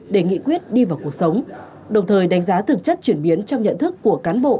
để nghị quyết đi vào cuộc sống đồng thời đánh giá thực chất chuyển biến trong nhận thức của cán bộ